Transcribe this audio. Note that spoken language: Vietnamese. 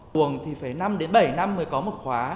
tuồng thì phải năm đến bảy năm mới có một khóa